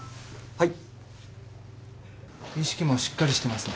はい。